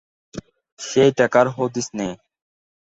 সেই টাকার হদিস নেই।